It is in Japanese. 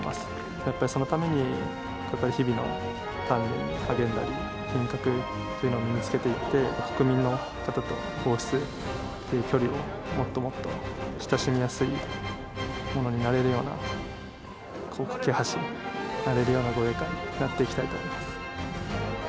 やっぱりそのために、日々の鍛錬に励んだり、品格っていうのを身につけていって、国民の方と皇室の距離を、もっともっと親しみやすいものになれるような、懸け橋になれるような護衛官になっていきたいと思います。